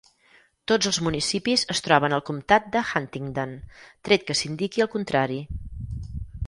Tots els municipis es troben al comtat de Huntingdon, tret que s'indiqui el contrari.